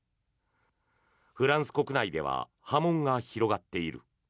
フランス国内では波紋が広がっている。